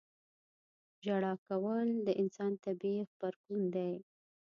• ژړا کول د انسان طبیعي غبرګون دی.